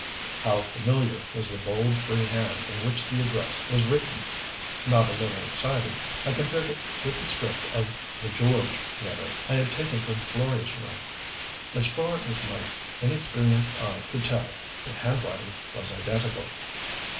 How familiar was the bold, free hand in which the address was written! Not a little excited, I compared it with the script of the "George" letter I had taken from Florey's room. As far as my inexperienced eye could tell the handwriting was identical.